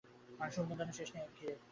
মানুষের উন্মাদনার শেষ নেই একে ঘিরে।